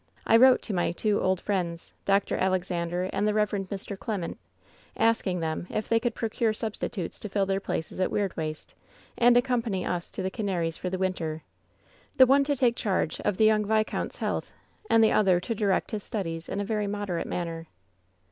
I wrote to my two old friends, Dr. Alexander and the Rev. Mr. Clement, ask ing them if they could procure substitutes to fill their places at Weirdwaste, and accompany us to the Canaries WHEN SHADOWS DIE 201 for the winter — the one to take charge of the young vis count's health, and the other to direct his studies in a very moderate manner.'